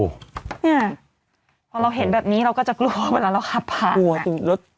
พอเราเห็นแบบนี้เราก็จะกลัวเวลาเราขับผ่านรถ